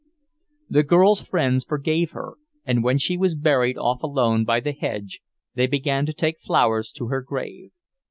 The girl's friends forgave her, and when she was buried off alone by the hedge, they began to take flowers to her grave.